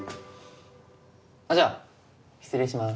あっじゃあ失礼します。